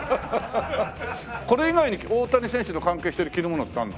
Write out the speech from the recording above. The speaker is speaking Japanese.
これ以外に大谷選手に関係してる着るものってあるの？